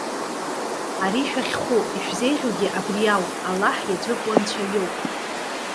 Ари шәахьхәы, ишәзеиӷьугьы абри ауп. Аллаҳ иаӡәыку Анцәа иоуп.